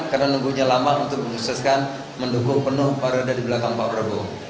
karena menunggunya lama untuk mengusahakan mendukung penuh para rada di belakang pak prabowo